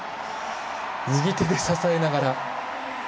右手で支えながら。